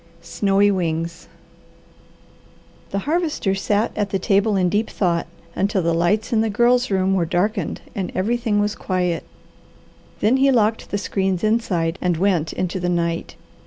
SNOWY WINGS The Harvester sat at the table in deep thoughts until the lights in the Girl's room were darkened and everything was quiet. Then he locked the screens inside and went into the night.